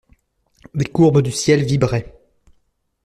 Les courbes du ciel vibraient.